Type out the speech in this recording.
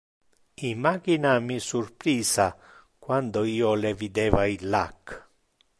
Imagina mi surprisa quando io le videva illac.